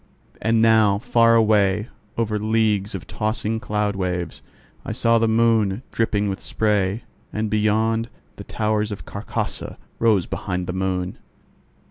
And now, far away, over leagues of tossing cloud waves, I saw the moon dripping with spray; and beyond, the towers of Carcosa rose behind the moon.